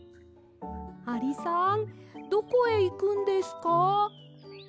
アリさんどこへいくんですか？